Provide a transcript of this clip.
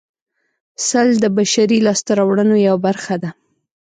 سل د بشري لاسته راوړنو یوه برخه ده